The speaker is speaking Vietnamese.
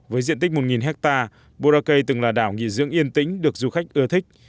với diện tích một hectare boracay từng là đảo nghỉ dưỡng yên tĩnh được du khách ưa thích